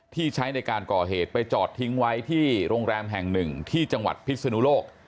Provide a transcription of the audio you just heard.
ที่ใช้ในการก่อเหตุไปจอดทิ้งไว้ที่โรงแรมแห่งหนึ่งที่จังหวัดพิศนุโลก